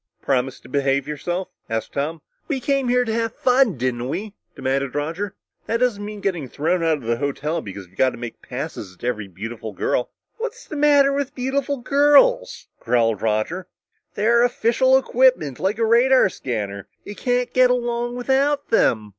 "Promise to behave yourself?" asked Tom. "We came here to have fun, didn't we?" demanded Roger. "That doesn't mean getting thrown out of the hotel because you've got to make passes at every beautiful girl." "What's the matter with beautiful girls?" growled Roger. "They're official equipment, like a radar scanner. You can't get along without them!"